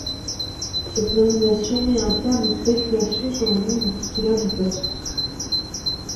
Cette nomination met un terme aux spéculations sur le nom du titulaire du poste.